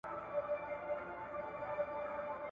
هغه څېړنې چې ترسره سوي ډېرې ګټورې دي.